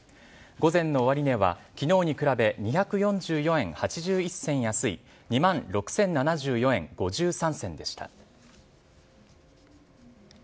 午前の終値は、きのうに比べ２４４円８１銭安い、２万６０７４円５３銭でした。